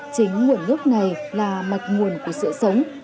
chính nguồn gốc này là mạch nguồn của sự sống